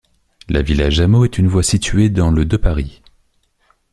La villa Jamot est une voie située dans le de Paris.